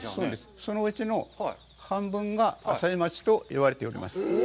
そのうちの半分が朝日町といわれています。